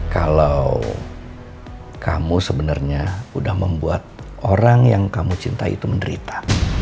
kalo kamu sebenernya udah membuat orang yang kamu cintai itu menderita